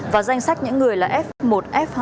và danh sách những người là f một f hai